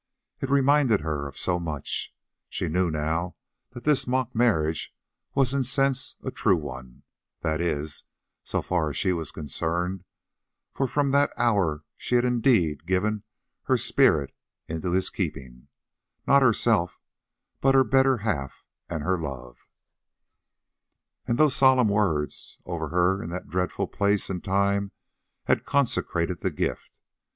It reminded her of so much. She knew now that this mock marriage was in a sense a true one; that is, so far as she was concerned, for from that hour she had indeed given her spirit into his keeping—not herself, but her better half and her love; and those solemn words over her in that dreadful place and time had consecrated the gift.